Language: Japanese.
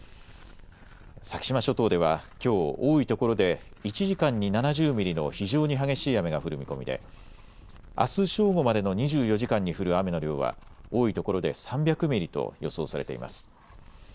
先島諸島ではきょう多いところで１時間に７０ミリの非常に激しい雨が降る見込みであす正午までの２４時間に降る雨の量は多いところで３００ミリと予想されています。